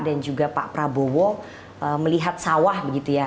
dan juga pak prabowo melihat sawah gitu ya